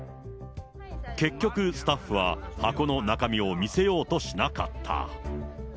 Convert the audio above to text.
結局、スタッフは箱の中身を見せようとしなかった。